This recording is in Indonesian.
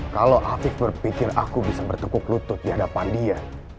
kalau afiq berpikir aku bisa bertengkuk lutut di hadapan dia